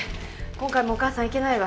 今回もお母さん行けないわ。